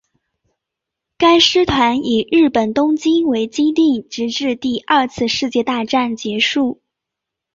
该师团以日本东京为基地直至第二次世界大战结束。